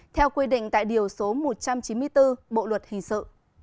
theo quy định tại điều số một trăm chín mươi bốn bộ luật hình sự